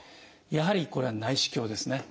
やはりこれは内視鏡ですね。